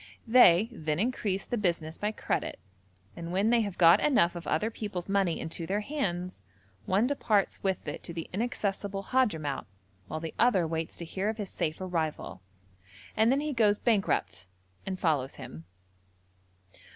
They then increase the business by credit, and when they have got enough of other people's money into their hands, one departs with it to the inaccessible Hadhramout, while the other waits to hear of his safe arrival, and then he goes bankrupt and follows him.